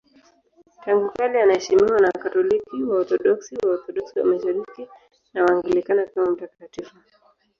Tangu kale anaheshimiwa na Wakatoliki, Waorthodoksi, Waorthodoksi wa Mashariki na Waanglikana kama mtakatifu.